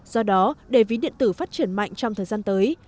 do đó để ví điện tử phát triển mạnh trong thời gian tới